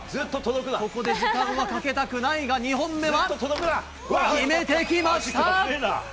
ここで時間はかけたくないが、２本目は決めてきました。